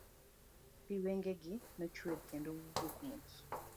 Pi wenge gi ne chwer, kendo wuok mos.